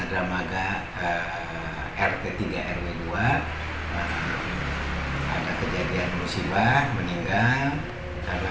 deramaga rt tiga rw dua ada kejadian musibah meninggal karena